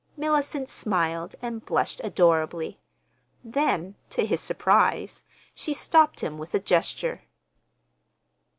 Mellicent smiled and blushed adorably. Then, to his surprise, she stopped him with a gesture.